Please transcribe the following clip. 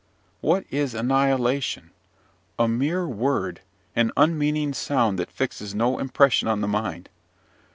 What is annihilation? A mere word, an unmeaning sound that fixes no impression on the mind.